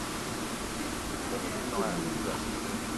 Mbeng i te noong ayi nkoula.